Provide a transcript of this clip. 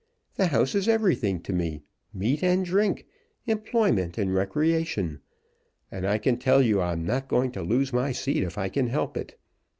The House is everything to me, meat and drink; employment and recreation; and I can tell you I'm not going to lose my seat if I can help it.